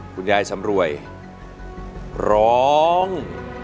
คุณยายสำรวยร้อง